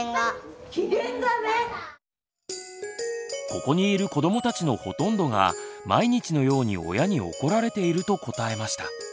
ここにいる子どもたちのほとんどが毎日のように親に怒られていると答えました。